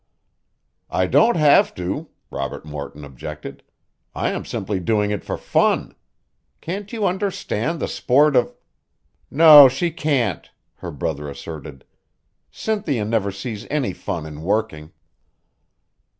"I don't have to," Robert Morton objected. "I am simply doing it for fun. Can't you understand the sport of " "No, she can't," her brother asserted. "Cynthia never sees any fun in working."